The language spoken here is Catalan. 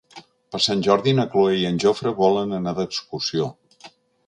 Per Sant Jordi na Cloè i en Jofre volen anar d'excursió.